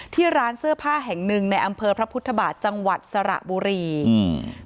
ที่ร้านเสื้อผ้าแห่งหนึ่งในอำเภอพระพุทธบาทจังหวัดสระบุรีอืม